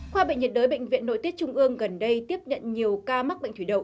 khoa bệnh nhiệt đới bệnh viện nội tiết trung ương gần đây tiếp nhận nhiều ca mắc bệnh thủy đầu